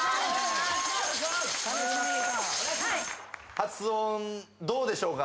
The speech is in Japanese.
発音どうでしょうか？